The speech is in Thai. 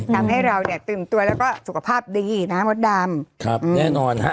ทำให้เราเนี่ยตื่นตัวแล้วก็สุขภาพดีนะมดดำครับแน่นอนฮะ